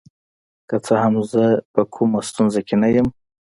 که څه هم زه په کومه ستونزه کې نه یم.